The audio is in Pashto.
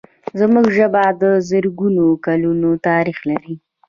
زموږ ژبه د زرګونو کلونو تاریخ لري.